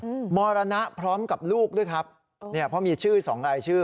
เมื่อไหร่มรณะพร้อมกับลูกด้วยครับเพราะมีชื่อส่งใช้